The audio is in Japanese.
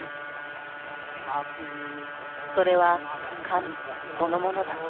それは神そのものだった。